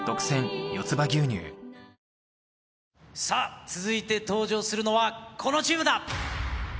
さあ、続いて登場するのはこのチームだ。